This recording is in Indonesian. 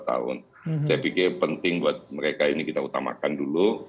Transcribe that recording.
saya pikir penting buat mereka ini kita utamakan dulu